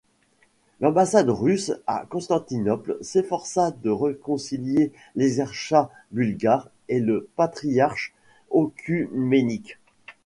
L'ambassade russe à Constantinople s'efforça de réconcilier l'Exarchat bulgare et le patriarche œcuménique.